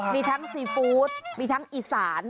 มีทั้งซีฟู้ดมีทั้งอีสาน